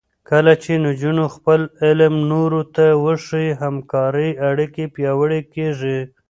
کله چې نجونې خپل علم نورو ته وښيي، همکارۍ اړیکې پیاوړې کېږي.